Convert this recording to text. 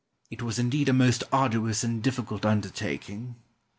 It was indeed a most arduous and difficult undertaking.